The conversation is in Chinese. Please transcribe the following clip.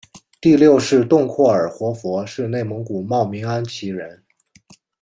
第六世洞阔尔活佛是内蒙古茂明安旗人。